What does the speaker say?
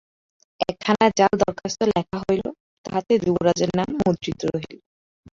একখানা জাল দরখাস্ত লেখা হইল, তাহাতে যুবরাজের নাম মুদ্রিত রহিল।